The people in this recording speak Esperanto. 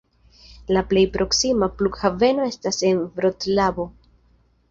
La plej proksima flughaveno estas en Vroclavo.